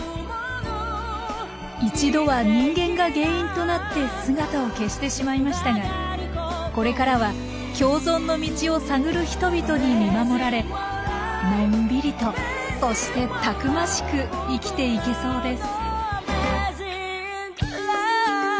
一度は人間が原因となって姿を消してしまいましたがこれからは共存の道を探る人々に見守られのんびりとそしてたくましく生きていけそうです。